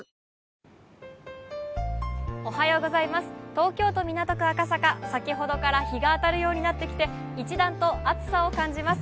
東京都港区赤坂、先ほどから日が当たるようになってきて一段と暑さを感じます。